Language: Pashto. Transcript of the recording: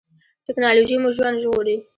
ټیکنالوژي مو ژوند ژغوري